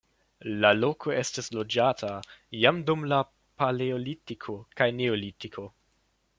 La loko estis loĝata jam dum la paleolitiko kaj neolitiko.